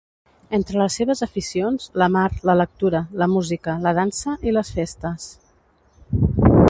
Entre les seves aficions: la mar, la lectura, la música, la dansa i les festes.